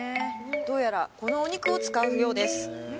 どうやらこのお肉を使うようです